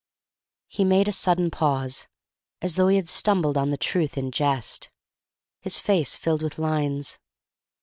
'" He made a sudden pause, as though he had stumbled on the truth in jest. His face filled with lines.